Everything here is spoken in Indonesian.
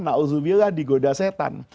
na'udzubillah digoda setan